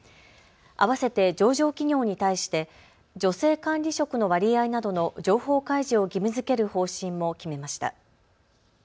あわせて上場企業に対して女性管理職の割合などの情報開示を義務づける方針も決めました。